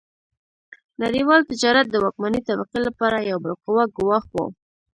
نړیوال تجارت د واکمنې طبقې لپاره یو بالقوه ګواښ و.